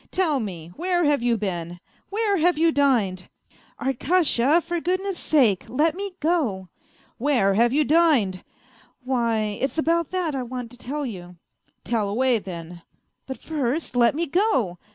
Tell me, where have you been ? Where have you dined ?"" Arkasha, for goodness sake, let me go !"" Where have you dined ?"" Why, it's about that I want to tell you." " TeU away, then." " But first let me go."